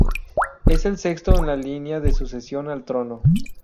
Es el sexto en la línea de sucesión al trono.